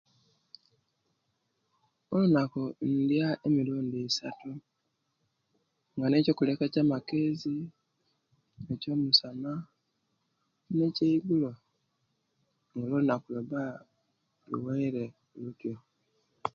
Olunaku indiya emirundi isatu nga ndina okuliaku ekyamakezi, ekyamisana, nekyeigulo olwo olunaku luba luweire lutyo.